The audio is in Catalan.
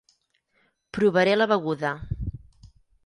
Provaré la beguda.